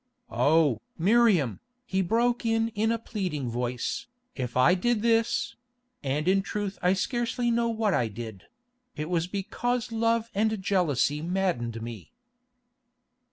"Oh! Miriam," he broke in in a pleading voice, "if I did this—and in truth I scarcely know what I did—it was because love and jealousy maddened me."